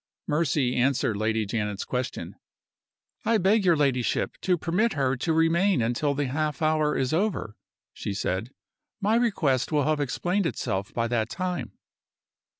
Mercy answered Lady Janet's question. "I beg your ladyship to permit her to remain until the half hour is over," she said. "My request will have explained itself by that time."